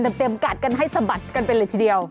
แต่เตรียมกัดกันให้สะบัดกันเป็นเหลือทีเดียว